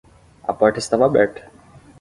A porta estava aberta.